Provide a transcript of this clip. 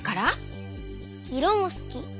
いろもすき。